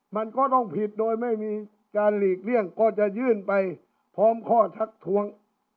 มันก็ต้องผิดโดยไม่มีการหลีกเลี่ยงก็จะยื่นไปพร้อมข้อทักท้วง